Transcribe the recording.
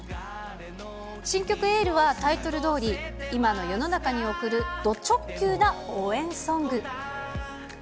新曲、エールはタイトルどおり、今の世の中に送るド直球な応援ソング。